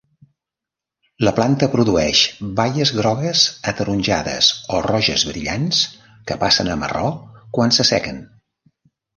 La planta produeix baies grogues, ataronjades o roges brillants que passen a marró quan s'assequen.